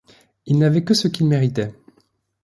Il n’avait que ce qu’il méritait.